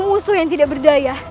musuh yang tidak berdaya